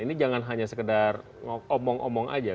ini jangan hanya sekedar ngomong ngomong aja